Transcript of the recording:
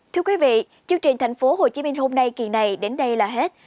thưa quý vị chương trình thành phố hồ chí minh hôm nay kỳ này đến đây là hết